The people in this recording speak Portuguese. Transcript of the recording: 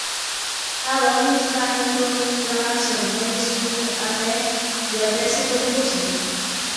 A loja está em programação, tem desconto de até cinquenta por cento.